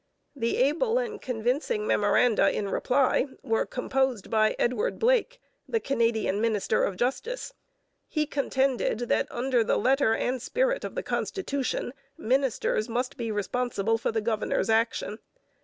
The able and convincing memoranda in reply were composed by Edward Blake, the Canadian minister of Justice. He contended that under the letter and spirit of the constitution ministers must be responsible for the governor's action.